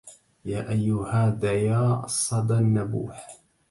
يا أيها ذيا الصدى النبوح